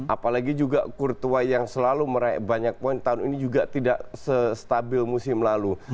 apalagi juga kurtuway yang selalu meraih banyak poin tahun ini juga tidak se stabil musim lalu